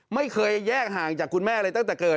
ไม่เคยแยกห่างจากคุณแม่เลยตั้งแต่เกิด